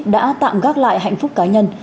đã tạm gác lại hạnh phúc cá nhân